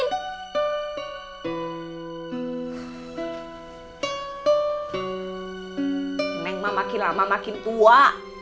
neng mah makin lama makin tua